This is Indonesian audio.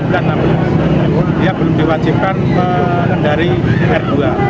dia belum diwajibkan menandari r dua